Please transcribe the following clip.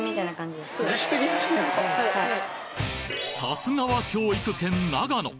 さすがは教育県長野。